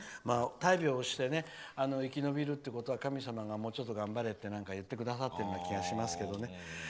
大病をして生き延びるっていうのは神様がもうちょっと頑張れって言ってくださってるような気がしますけどね。